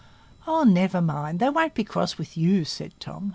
"Oh, never mind; they won't be cross with you," said Tom.